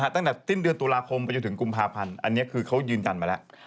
ตั้งแต่สิ้นเดือนตุลาคมไปจนถึงกุมภาพันธ์อันนี้คือเขายืนยันมาแล้ว